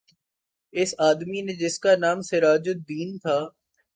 اس آدمی نے جس کا نام سراج دین تھا